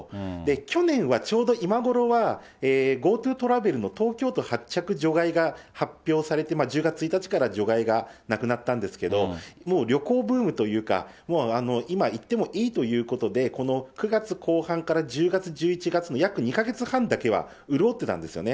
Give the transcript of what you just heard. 去年は、ちょうど今ごろは、ＧｏＴｏトラベルの東京都発着除外が発表されて１０月１日から除外がなくなったんですけれども、もう旅行ブームというか、もう今行ってもいいということで、この９月後半から１０月、１１月の約２か月半だけは潤ってたんですよね。